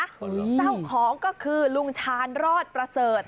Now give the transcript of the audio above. เจ้าของก็คือลุงชาญรอดประเสริฐ